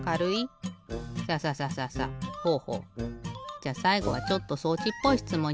じゃさいごはちょっと装置っぽいしつもん